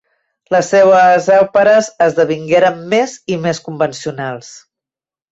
Les seues òperes esdevingueren més i més convencionals.